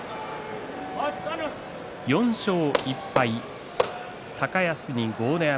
４勝１敗、高安に豪ノ山。